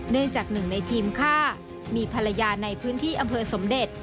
จากหนึ่งในทีมฆ่ามีภรรยาในพื้นที่อำเภอสมเด็จ